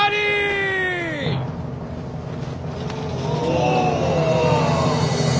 お！